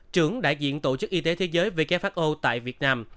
trưởng đại diện tổ chức y tế thế giới who tại việt nam